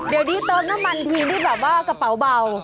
เดี๋ยวนี้เติมน้ำมันทีนี่แบบว่ากระเป๋าเบา